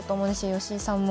吉井さんも。